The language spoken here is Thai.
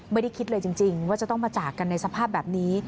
ไม่ได้คิดเลยจริงว่าจะต้องมาจากกันในสภาพแบบนี้